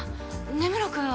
根室君は？